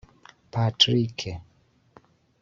Patrick